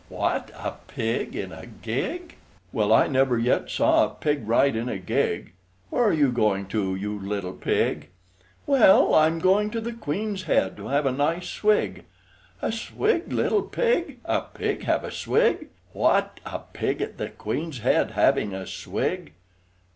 What, a pig in a gig! Well, I never yet saw a pig ride in a gig! Where are you going to, you little pig? "Well, I'm going to the Queen's Head to have a nice swig!" A swig, little pig! A pig have a swig! What, a pig at the Queen's Head having a swig!